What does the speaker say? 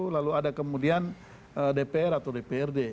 lalu ada kemudian dpr atau dprd